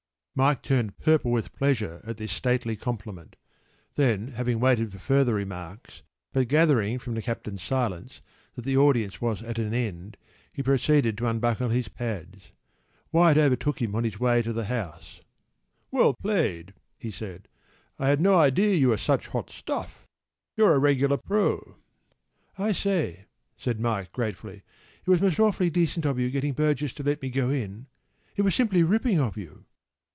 p> Mike turned purple with pleasure at this stately compliment.  Then, having waited for further remarks, but gathering from the captain’s silence that the audience was at an end, he proceeded to unbuckle his pads.  Wyatt overtook him on his way to the house. “Well played,” he said.  “I’d no idea you were such hot stuff.  You’re a regular pro.” “I say,” said Mike gratefully, “it was most awfully decent of you getting Burgess to let me go in.  It was simply ripping of you.